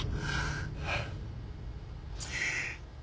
はあ。